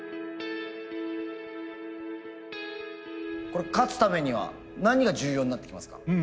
これ勝つためには何が重要になってきますか？